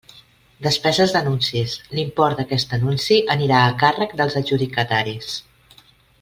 Despeses d'anuncis: l'import d'aquest anunci anirà a càrrec dels adjudicataris.